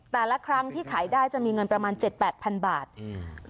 แต่ละครั้งที่ขายได้จะมีเงินประมาณเจ็ดแปดพันบาทอืม